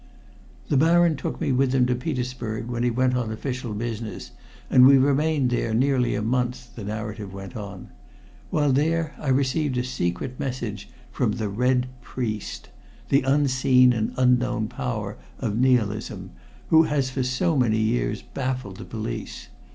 "The Baron took me with him to Petersburg when he went on official business, and we remained there nearly a month," the narrative went on. "While there I received a secret message from 'The Red Priest,' the unseen and unknown power of Nihilism, who has for so many years baffled the police.